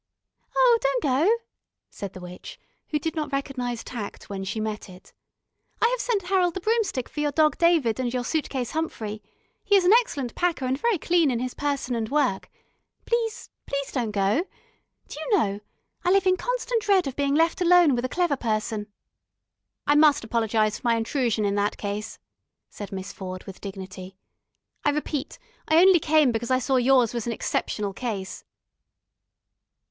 "Oh, don't go," said the witch, who did not recognise tact when she met it. "I have sent Harold the Broomstick for your Dog David and your Suit case Humphrey. He is an excellent packer and very clean in his person and work. Please, please, don't go. Do you know, I live in constant dread of being left alone with a clever person." "I must apologise for my intrusion, in that case," said Miss Ford, with dignity. "I repeat, I only came because I saw yours was an exceptional case."